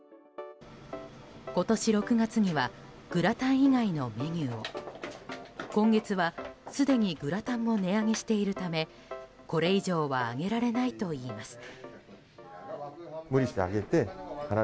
今年６月にはグラタン以外のメニューを今月は、すでにグラタンも値上げしているためこれ以上は上げられないといいます。